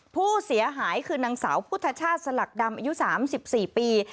ผู้เสียหายคือนางสาวพุทธชาติสลักดำอายุ๓๔ปี